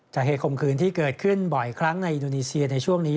เหตุคมคืนที่เกิดขึ้นบ่อยครั้งในอินโดนีเซียในช่วงนี้